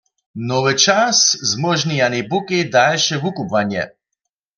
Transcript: Nowy čas zmóžni Janej Bukej dalše wukubłanje.